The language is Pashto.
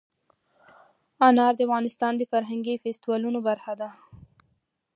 انار د افغانستان د فرهنګي فستیوالونو برخه ده.